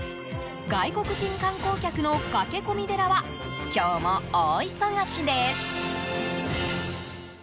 外国人観光客の駆け込み寺は今日も大忙しです。